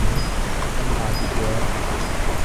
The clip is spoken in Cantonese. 咁大疊嘢